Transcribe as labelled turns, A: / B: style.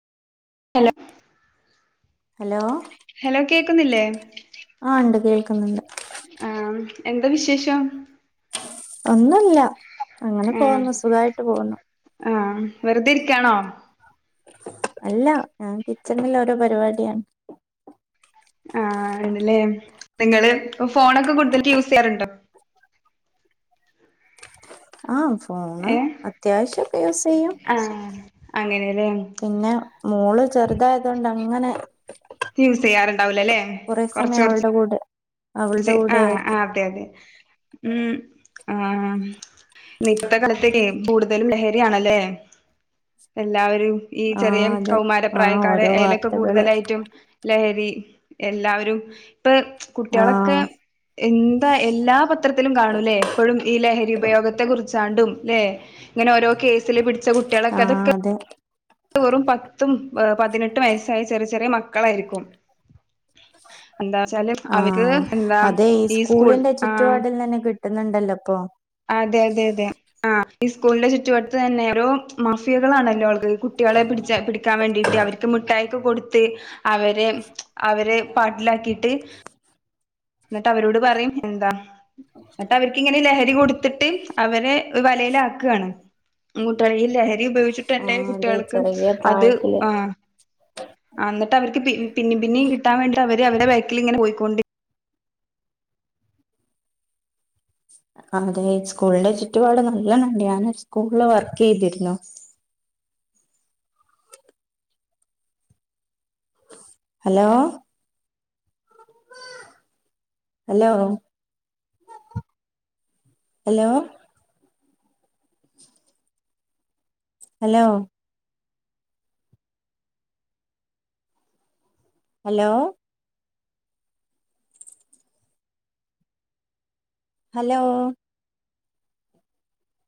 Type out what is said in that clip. A: ഹാ hello
B: hello കേക്കുന്നില്ലേ
A: ആഹ് ഉണ്ട് കേൾക്കുന്നുണ്ട്
B: ആഹ് എന്താ വിശേഷം
A: ഒന്നല്ല അങ്ങനെ
B: ആഹ്
A: പോകുന്നു സുഖായിട്ട് പോകുന്നു
B: ആഹ് വെറുതെ ഇരിക്കാണോ
A: അല്ല ഞാൻ കിച്ചണിൽ ഓരോ പരിപാടിയാണ്
B: ആഹ് ആണ്ല്ലേ നിങ്ങള് ഫോണൊക്കെ കൂടുതല് യൂസ് ചെയ്യാറുണ്ടോ
A: ആ ഫോണ്
B: ഏഹ്
A: അത്യാവശ്യം ഒക്കെ യൂസ് ചെയ്യും
B: ആഹ് അങ്ങനെല്ലേ
A: പിന്നെ മോള് ചെറുതായാതോണ്ട് അങ്ങനെ
B: റ്റ് യൂസ് ചെയ്യാറുണ്ടാവില്ലോ അല്ലേ
A: കുറെേ സമയം അവളുടെ കൂടെ അവളുടെ
B: ജ്ജ്
A: കൂടെ
B: ആഹ
A: ആയിരിക്കും
B: ആ അതെ അതെ ഉം ആഹ് [unintelligible] കൂടുതലും ലഹരിയാണല്ലേ എല്ലാവരും ഈ ചെറിയ
A: ആഹ് അതെ ആഹ്
B: കൗമാരപ്രായക്കാരെ
A: ഓരോ
B: അയലൊക്കെ
A: വാർത്തകള്
B: കൂടുതലായിട്ടും ലഹരി എല്ലാവരും പ്പൊകുട്ട് കുട്ട്യാളൊക്കെ
A: ആഹ്
B: എന്താ എല്ലാപത് ത്രത്ത്ലും കാണൂല്ലേ പ്പോഴും ഈ ലഹരി ഉപയോഗത്തെ കുറിച്ചാണ്ടും, ല്ലെ. ഇങ്ങനെ ഒരോ കേസില് പിട്ച്ച കുട്ട്യാളൊക്കെ
A: ആഹ്
B: അതൊക്കെ.
A: അതെ
B: വെറും പത്തും പതിനെട്ടും വയസ്സായ ചെറിയ ചെറിയ മക്കളായിരിക്കും. ന്താച്ചാല് അവർക്ക്
A: ആഹ്
B: എന്താ
A: അതെ
B: ഈ സ്കൂൾ ആഹ്.
A: ട്ട്ന്ന്ണ്ടല്ലപ്പൊ.
B: അതെ -തെ -തെ- ആഹ് ഈ സ്കൂളിന്റെ ചുറ്റുവട്ടത്ത് തന്നെ ഒരു മഫിയകളാണല്ലോ ആത് കുട്ട്യാളെ പിട്ച്ച പിട്ക്കാൻ വേണ്ടിട്ട് അവർക്ക് മിഠായൊക്കെ കൊടുത്ത് അവരെ അവരെ. പാട്ടിലാക്കിട്ട്. ന്ന്ട്ട് അവരോട് പറയും എന്താ? ന്ന്ട്ട് അവർക്കിങ്ങനെ ലഹരി കൊടുത്തിട്ട് അവരെ വലെലാക്കാണ്. മൂട്ടായീൽ ലഹരി ഉപയോഗിച്ചിട്ട്ന്നെ
A: ആഹ് അതെ
B: കുട്ട്യാൾക്ക്
A: ചെറിയ
B: അത്
A: പ്രായത്തില്
B: ആഹ്. ആഹ് ന്ന്ട്ട് അവര്ക്ക് പി പിന്നിം പിന്നിം കിട്ടാൻ വേണ്ടിട്ടവര് അവരേ ബേക്കിലിങ്ങെനെ പോയിക്കൊണ്ട്.
A: അതെ സ്കൂളിന്റെ ചുറ്റുപാട് ന്നല്ലോണംണ്ട് ഞാന് സ്കൂളില് വർക്കെയ്തിരുന്നു. Hello. Hello. Hello. Hello. Hello. Hello.